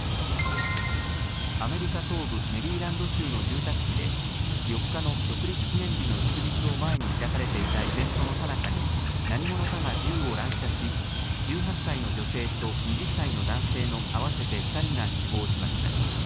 アメリカ東部メリーランド州の住宅地で４日の独立記念日の祝日を前に開かれていたイベントのさなかに何者かが銃を乱射し１８歳の女性と２０歳の男性の合わせて２人が死亡しました。